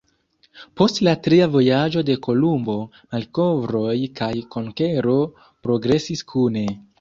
Post la tria vojaĝo de Kolumbo, malkovroj kaj konkero progresis kune.